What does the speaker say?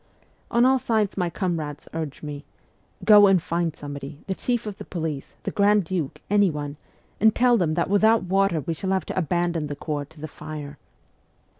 On all sides my comrades urged me, ' Go and find somebody the chief of the police, the grand duke, anyone and tell them that without water we shall have to abandon the Corps to the fire.'